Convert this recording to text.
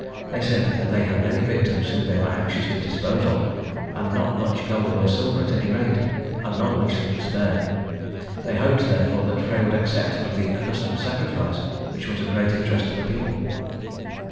They said that they had many victims whom they were anxious to dispose of, and not much gold or silver at any rate, and none which they could spare. They hoped therefore that Frey would accept of the accustomed sacrifice, which was a great interest to the people.